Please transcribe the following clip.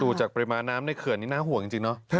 จากปริมาณน้ำในเขื่อนนี้น่าห่วงจริงเนาะ